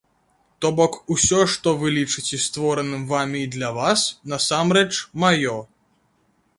То бок усё, што вы лічыце створаным вамі і для вас, насамрэч маё.